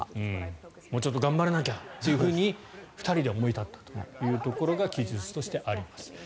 もうちょっと頑張らなきゃと２人で思い立ったというところが記述としてあります。